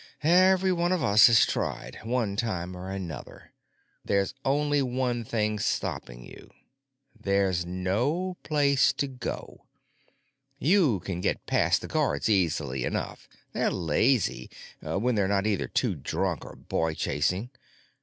Every one of us has tried, one time or another. There's only one thing stopping you—there's no place to go. You can get past the guards easy enough—they're lazy, when they're not either drunk or boy chasing.